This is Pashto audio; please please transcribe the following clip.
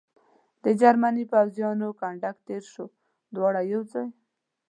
د جرمني پوځیانو کنډک تېر شو، دواړه یو ځای.